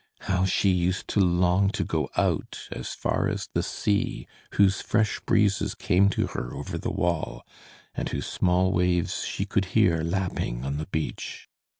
How she used to long to go out, as far as the sea, whose fresh breezes came to her over the wall, and whose small waves she could hear lapping on the beach.